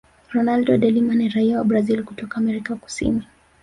ronaldo delima ni rai wa brazil kutoka amerika kusini